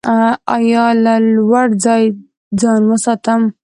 ایا له لوړ ځای ځان وساتم؟